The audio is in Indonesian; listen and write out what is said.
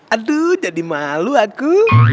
aduh jadi malu aku